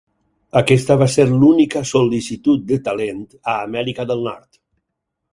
Aquesta va ser l'única sol·licitud de Talent a Amèrica del Nord.